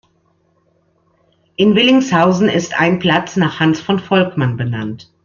In Willingshausen ist ein Platz nach Hans von Volkmann benannt.